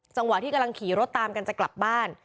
จังหวะที่กำลังขี่รถตามกันจะกลับบ้าน